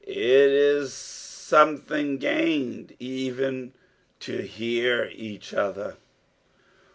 It is something gained even to hear each other."